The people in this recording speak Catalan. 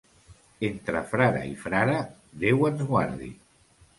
Entre frare i frare, Déu ens guardi.